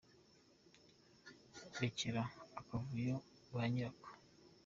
rekera akavuyo banyirako